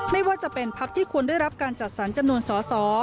ไม่ว่าจะเป็นพักที่ควรได้รับการจัดสรรจำนวนสอสอ